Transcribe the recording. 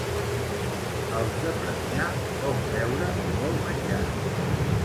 Els de Premià poc beure i molt menjar